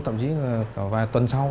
thậm chí là vài tuần sau